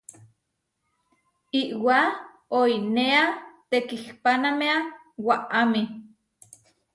Iʼwá oinéa tekihpanaméa waʼámi.